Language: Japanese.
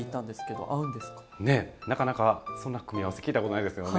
ねえなかなかそんな組み合わせ聞いたことないですよね？